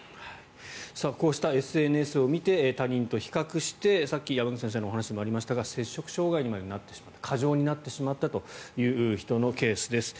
こうしたＳＮＳを見て他人と比較してさっき山口先生のお話にもありましたが摂食障害にまでなってしまった過剰になってしまったという人のケースです。